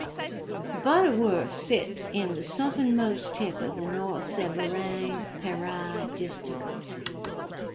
Butterworth sits in the southernmost tip of the North Seberang Perai district.